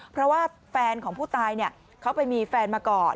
เพราะว่าแฟนของผู้ตายเขาไปมีแฟนมาก่อน